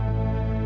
aku mau pergi